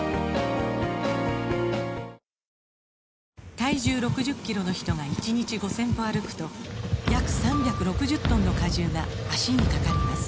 体重６０キロの人が１日５０００歩歩くと約３６０トンの荷重が脚にかかります